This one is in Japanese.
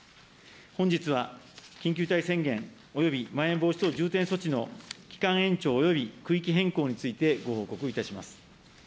本日は、緊急事態宣言およびまん延防止等重点措置の期間延長および区域変更についてご報告いたします。